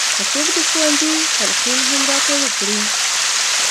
که څوک د ښوونځي تلقین هم راته وکړي.